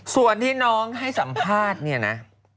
ส่วนที่น้องให้สัมภาษณ์เนี่ยนะ